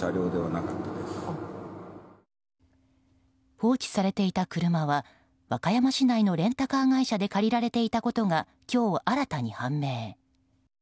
放置されていた車は和歌山市内のレンタカー会社で借りられていたことが今日新たに判明。